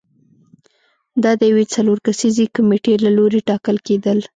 دا د یوې څلور کسیزې کمېټې له لوري ټاکل کېدل